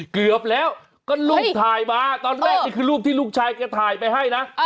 เกือบแล้วก็รูปถ่ายมาตอนแรกนี่คือรูปที่ลูกชายแกถ่ายไปให้นะ